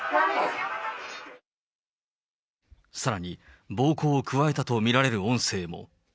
さらに、暴行を加えたと見られる音声も。